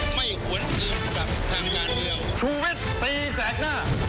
ไม่หวนอื่นกับทางงานเดียว